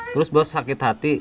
terus bos sakit hati